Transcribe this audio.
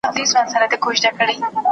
¬ دوست په تنگسه کي په کارېږي، نه په خورنه.